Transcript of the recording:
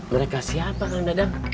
mereka siapa kang dadang